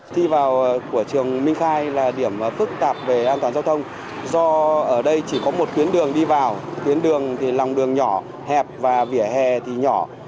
thi vào của trường minh khai là điểm phức tạp về an toàn giao thông do ở đây chỉ có một tuyến đường đi vào tuyến đường thì lòng đường nhỏ hẹp và vỉa hè thì nhỏ